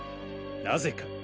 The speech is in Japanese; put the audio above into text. なぜか？